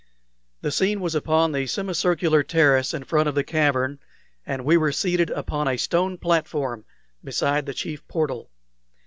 The scene was upon the semicircular terrace in front of the cavern, and we were seated upon a stone platform beside the chief portal.